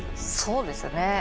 そうですね。